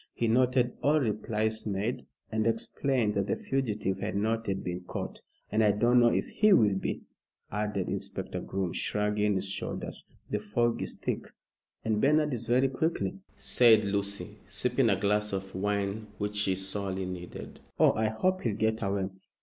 He noted all replies made, and explained that the fugitive had not yet been caught. "And I don't know if he will be," added Inspector Groom, shrugging his shoulders; "the fog is thick." "And Bernard is very quick," said Lucy, sipping a glass of wine which she sorely needed. "Oh, I hope he'll get away!"